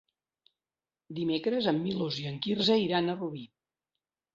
Dimecres en Milos i en Quirze iran a Rubí.